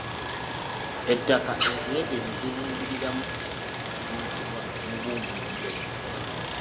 Ettaka enkuyege lye zibumbirira ku kintu liyitibwa Mubumbiriro.